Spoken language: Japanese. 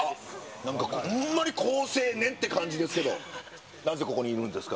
なんかほんまに好青年って感じですけど、なぜここにいるんですか？